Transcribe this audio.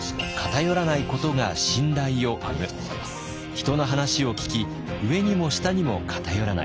人の話を聞き上にも下にも偏らない。